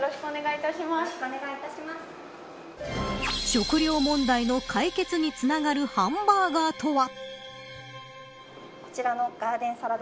食料問題の解決につながるハンバーガーとは。